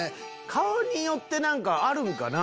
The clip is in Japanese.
顔によってあるんかな？